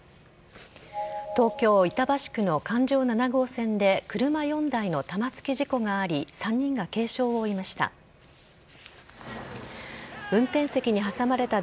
東京・板橋区の環状７号線で車４台の玉突き事故があり３人が軽傷を負いました。